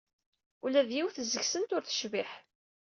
Ula d yiwet seg-sent ur tecbiḥ.